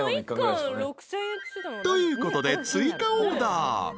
［ということで追加オーダー］